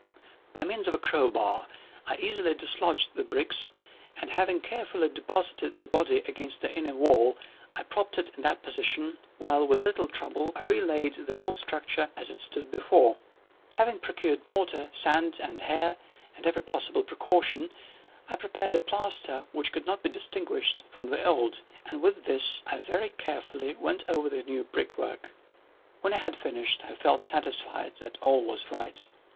By means of a crow bar I easily dislodged the bricks, and, having carefully deposited the body against the inner wall, I propped it in that position, while, with little trouble, I re laid the whole structure as it originally stood. Having procured mortar, sand, and hair, with every possible precaution, I prepared a plaster which could not be distinguished from the old, and with this I very carefully went over the new brickwork. When I had finished, I felt satisfied that all was right.